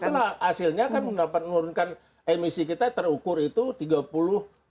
dan itulah hasilnya kan mendapat mengurunkan emisi kita terukur itu tiga puluh juta metric ton